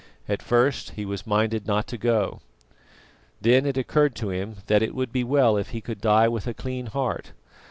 At first he was minded not to go, then it occurred to him that it would be well if he could die with a clean heart.